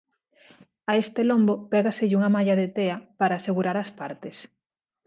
A este lombo pégaselle unha malla de tea para asegurar as partes.